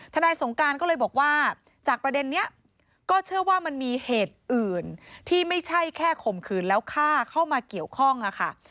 นายสงการก็เลยบอกว่าจากประเด็นนี้ก็เชื่อว่ามันมีเหตุอื่นที่ไม่ใช่แค่ข่มขืนแล้วฆ่าเข้ามาเกี่ยวข้องค่ะ